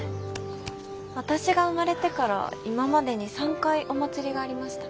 私が生まれてから今までに３回お祭りがありました。